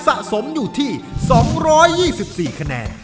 สะสมอยู่ที่๒๒๔คะแนน